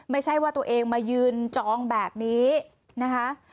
ไม่ใช่ว่าตัวเองมายืนจองแบบนี้นะคะ